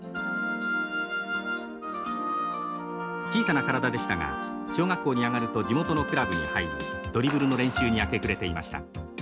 小さな体でしたが小学校に上がると地元のクラブに入りドリブルの練習に明け暮れていました。